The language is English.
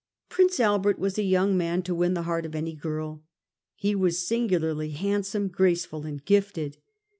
Prince Albert was a young man to win the heart of any girl. He was singularly handsome, graceful and gifted.